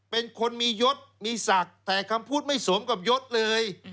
เป็นคนมียศมีศักดิ์แต่คำพูดไม่สมกับยศเลย